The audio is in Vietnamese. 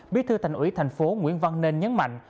bí thư thành ủy thành phố nguyễn văn nên nhấn mạnh